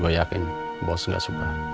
gue yakin bos gak suka